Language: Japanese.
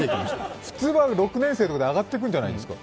普通は６年生とかで上がっていくんじゃないですか？